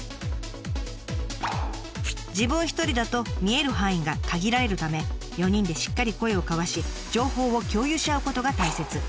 自分一人だと見える範囲が限られるため４人でしっかり声を交わし情報を共有し合うことが大切。